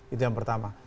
itu yang pertama